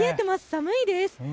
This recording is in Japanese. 寒いです。